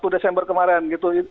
satu desember kemarin